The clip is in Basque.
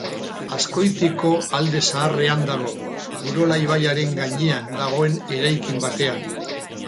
Azkoitiko Alde Zaharrean dago, Urola ibaiaren gainean dagoen eraikin batean.